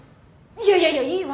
いやいやいやいい！